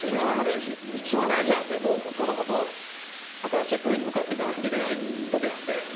一番大事なので新しいプレーに向かっていかないといけない時なので。